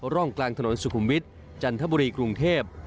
ร่องกลางถนนสุขุมวิทย์จันทบุรีกรุงเทพ